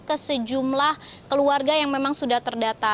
ke sejumlah keluarga yang memang sudah terdata